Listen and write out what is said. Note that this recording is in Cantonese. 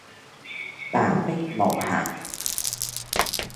白璧無瑕